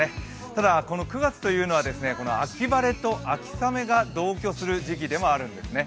ただ、９月というのは秋晴れと秋雨が同居する時期でもあるんですね。